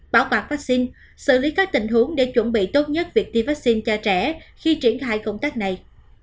bảo quạt vaccine xử lý các tình huống để chuẩn bị tốt nhất việc tiêm vaccine cho trẻ khi triển khai công tác này